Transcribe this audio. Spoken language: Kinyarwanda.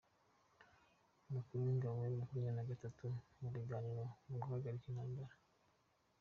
Umukuru w’ingabo za M makumyabiri nagatatu mu biganiro byo guhagarika intambara